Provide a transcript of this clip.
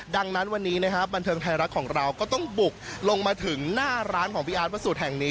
ดังนั้นวันนี้นะครับบันเทิงไทยรัฐของเราก็ต้องบุกลงมาถึงหน้าร้านของพี่อาร์ดพระสุทธิแห่งนี้